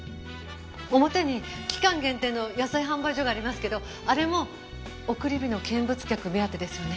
表に期間限定の野菜販売所がありますけどあれも送り火の見物客目当てですよね？